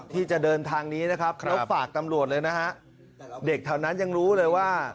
ที่จะเดินทางนี้นะครับแล้วฝากตำรวจเลยนะฮะเด็กแถวนั้นยังรู้เลยว่า